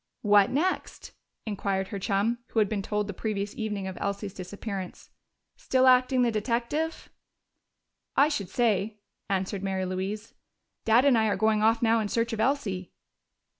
"What next?" inquired her chum, who had been told the previous evening of Elsie's disappearance. "Still acting the detective?" "I should say," answered Mary Louise. "Dad and I are going off now in search of Elsie."